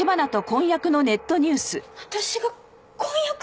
私が婚約！？